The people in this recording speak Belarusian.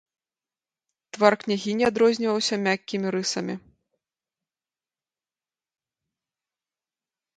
Твар княгіні адрозніваўся мяккімі рысамі.